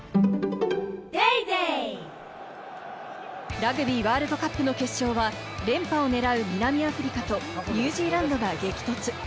ラグビーワールドカップの決勝は連覇を狙う南アフリカとニュージーランドが激突。